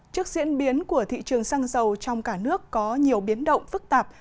trước diễn biến của thị trường xăng dầu trong cả nước có nhiều biến động phức tạp